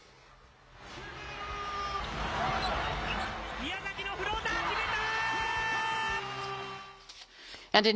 みやざきのフローター、決めた！